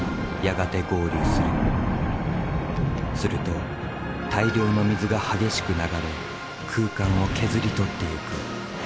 すると大量の水が激しく流れ空間を削り取っていく。